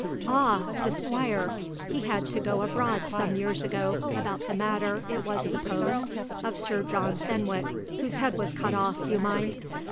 "Ah! the Squire. He had to go abroad some years ago, about the matter, it was supposed, of Sir John Fenwick, whose head was cut off, you mind.